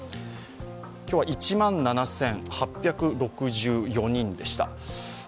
今日は１万７８６４人でした。